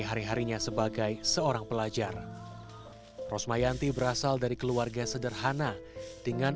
hari harinya sebagai seorang pelajar rosmayanti berasal dari keluarga sederhana dengan